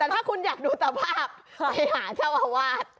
แต่ถ้าคุณอยากดูสภาพไปหาเจ้าอาวาส